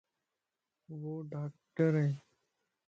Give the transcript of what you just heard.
وو ڊاڪٽر ائي